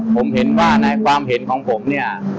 ผมเห็นว่าในความเห็นของผมเนี่ย